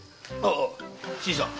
新さん。